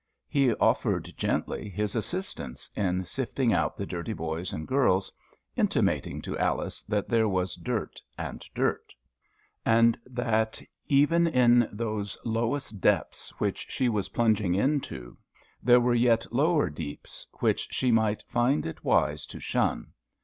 He offered, gently, his assistance in sifting out the dirty boys and girls, intimating to Alice that there was dirt and dirt; and that, even in those lowest depths which she was plunging into, there were yet lower deeps which she might find it wise to shun.